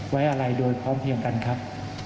ไว้อะไรโดยพร้อมเพียงกันครับ